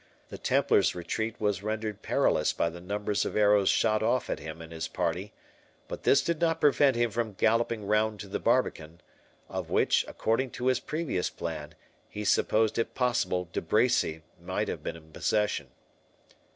The Templar's retreat was rendered perilous by the numbers of arrows shot off at him and his party; but this did not prevent him from galloping round to the barbican, of which, according to his previous plan, he supposed it possible De Bracy might have been in possession.